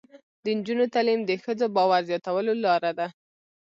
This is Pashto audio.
د نجونو تعلیم د ښځو باور زیاتولو لاره ده.